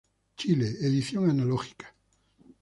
Chile, edición analógica.